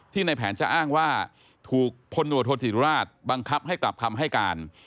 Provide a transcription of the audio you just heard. ในแผนจะอ้างว่าถูกพลตรวจโทษศิราชบังคับให้กลับคำให้การ